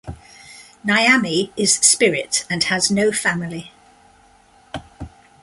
Nyame is Spirit and has no family.